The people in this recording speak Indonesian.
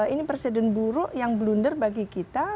ini presiden buruk yang blunder bagi kita